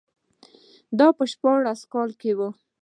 دا په شپاړس سوه کال کې و.